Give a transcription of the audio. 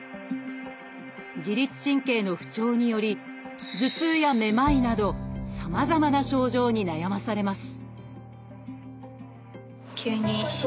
自律神経の不調により頭痛やめまいなどさまざまな症状に悩まされます